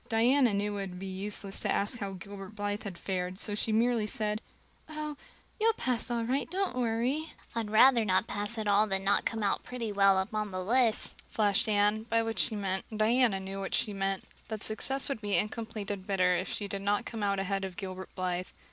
Diana knew it would be useless to ask how Gilbert Blythe had fared, so she merely said: "Oh, you'll pass all right. Don't worry." "I'd rather not pass at all than not come out pretty well up on the list," flashed Anne, by which she meant and Diana knew she meant that success would be incomplete and bitter if she did not come out ahead of Gilbert Blythe.